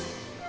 udah gak bisa